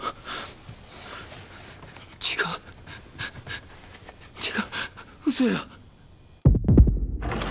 違う違う嘘や！